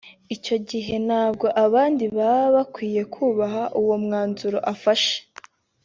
icyo gihe nabwo abandi baba bakwiriye kubaha uwo mwanzuro afashe